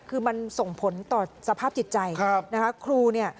คือมันส่งผลต่อสภาพจิตใจนะคะครูเนี่ย